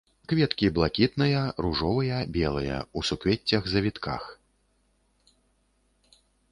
Кветкі блакітныя, ружовыя, белыя, у суквеццях-завітках.